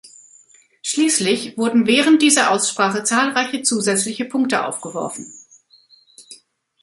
Schließlich wurden während dieser Aussprache zahlreiche zusätzliche Punkte aufgeworfen.